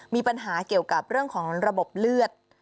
มีปัญหาเกี่ยวกับเรื่องของระบบเลือด